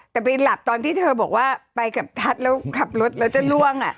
แต่ไปหลับตอนที่เธอบอกว่าไปกับทัศน์แล้วขับรถแล้วจะล่วง